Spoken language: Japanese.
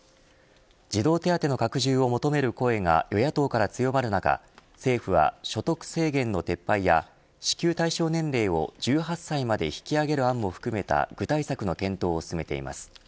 児童手当の拡充を求める声が与野党から強まる中政府は所得制限の撤廃や支給対象年齢を１８歳まで引き上げる案も含めた具体策の検討を進めています。